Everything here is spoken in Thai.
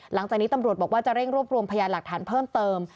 หลังจากนี้ตำรวจบอกว่าจะเร่งรวบรวมพยานหลักฐานเพิ่มเติม